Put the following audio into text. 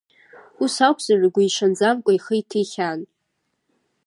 Ус акәзар игәы иҽанӡамкәа ихы иҭихьан?!